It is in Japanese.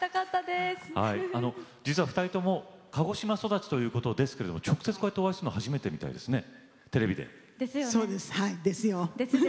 実は二人とも鹿児島育ちということですけれども直接こうやってお会いするのは初めてみたいですねテレビで。ですよね。